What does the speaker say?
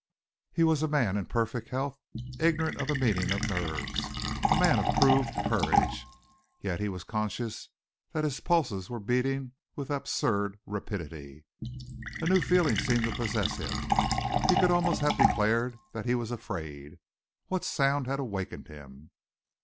He was a man in perfect health, ignorant of the meaning of nerves, a man of proved courage. Yet he was conscious that his pulses were beating with absurd rapidity. A new feeling seemed to possess him. He could almost have declared that he was afraid. What sound had awakened him?